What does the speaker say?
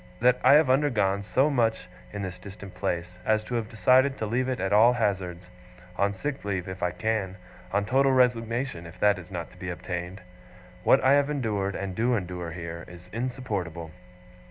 "that I have undergone so much in this distant place, as to have decided to leave it at all hazards; on sick leave, if I can; on total resignation, if that is not to be obtained. What I have endured, and do endure here, is insupportable."